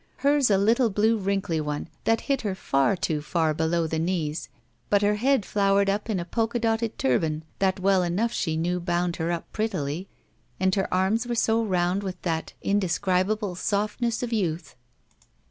Hers a little blue wrinkly one that hit her far too far, below the knees, but her head flowered up in a polka dotted turban, that well enough she knew bound her up prettily, and her arms were so round with that indescribable sof tiness of youth